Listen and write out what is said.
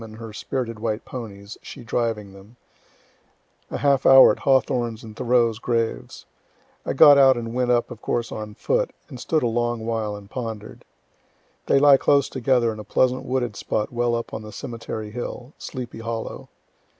and her spirited white ponies, she driving them,) a half hour at Hawthorne's and Thoreau's graves. I got out and went up of course on foot, and stood a long while and ponder'd. They lie close together in a pleasant wooded spot well up the cemetery hill, "Sleepy Hollow."